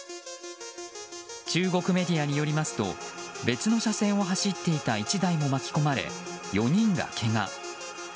中国メディアによりますと別の車線を走っていた１台も巻き込まれ４人がけが。